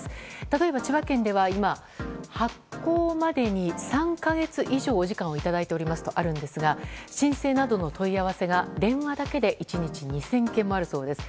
例えば千葉県では今、発行までに３か月以上お時間をいただいておりますとあるんですが申請などの問い合わせが電話だけで１日２０００件もあるそうです。